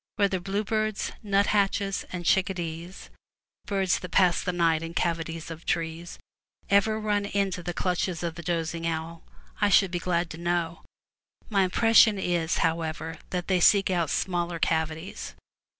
Whether bluebirds, '^'^' f/^i nut hatches, and chicka dees — birds that pass the night in cavities of trees — ever run into the clutches of the dozing owl, I should be glad to know. My impres sion is, however, that they seek out smaller cavities.